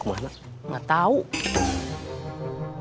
kita bisa persiapkan alih langsung